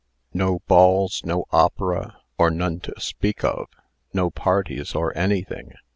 "No balls, no opera or none to speak of no parties, no anything.